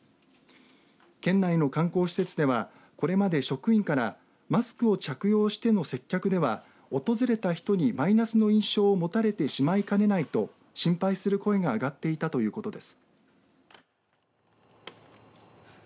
県内の観光施設ではこれまで職員からマスクを着用しての接客では訪れた人にマイナスの印象を持たれてしまいかねないと心配する声が上がっていたということです。